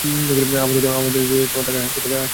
আমাদের তাকে হাসপাতালে নিয়ে যেতে হবে।